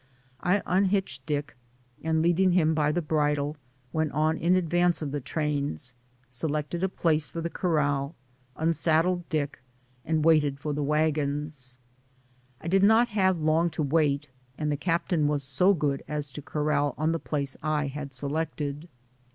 I unhitched Dick and, leading him by the bridle, went on in advance of the trains, se lected a place for the corral, unsaddled Dick, and waited for the wagons. I did not have long to wait, and the captain was so good as to corral on the place I had selected.